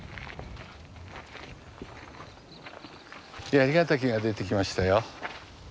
槍ヶ岳が出てきましたよ。